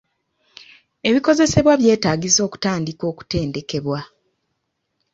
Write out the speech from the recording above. Ebikozesebwa byetaagisa okutandika okutendekebwa.